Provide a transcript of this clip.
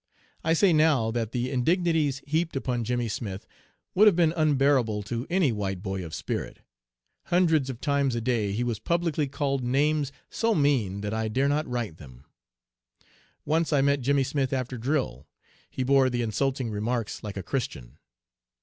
I say now that the indignities heaped upon Jimmy Smith would have been unbearable to any white boy of spirit. Hundreds of times a day he was publicly called names so mean that I dare not write them. "Once I met Jimmy Smith after drill. He bore the insulting remarks like a Christian.